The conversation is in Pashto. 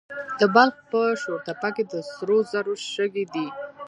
د بلخ په شورتپه کې د سرو زرو شګې دي.